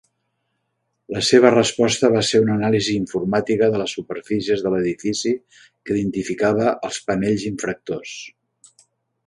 La seva resposta va ser una anàlisi informàtica de les superfícies de l'edifici que identificava els panells infractors.